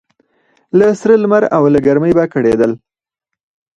له سره لمر او له ګرمۍ به کړېدله